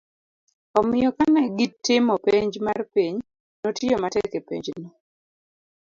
omiyo kane gitimo penj mar piny, notiyo matek e penjno